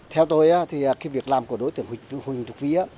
theo tôi thì cái việc làm của đối tượng huỳnh thục vy